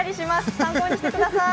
参考にしてください。